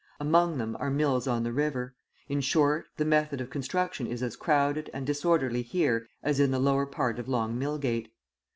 Among them are mills on the river, in short, the method of construction is as crowded and disorderly here as in the lower part of Long Millgate.